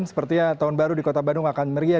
sepertinya tahun baru di kota bandung akan meriah